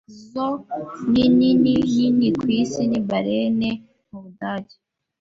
Zo nini nini ku isi ni Berlin, mu Budage.